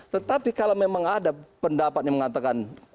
tetapi kalau memang ada pendapat yang mengatakan